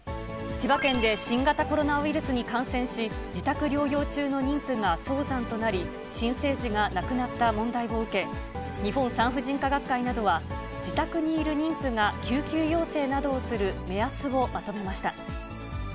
千葉県で新型コロナウイルスに感染し、自宅療養中の妊婦が早産となり、新生児が亡くなった問題を受け、日本産婦人科学会などは、自宅にいる妊婦が救急要請などをする目安をまとめました。